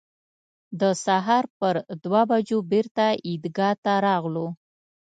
د سهار پر دوه بجو بېرته عیدګاه ته راغلو.